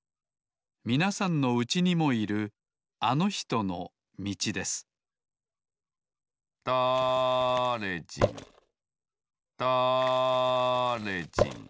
みなさんのうちにもいるあのひとのみちですだれじんだれじん